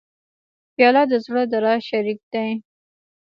پیاله د زړه د راز شریک دی.